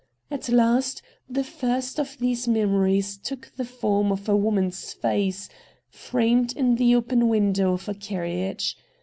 At last the first of these memories took the form of a woman's face, framed in the open window of a carriage.